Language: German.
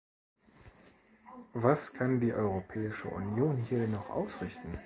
Was kann die Europäische Union hier noch ausrichten?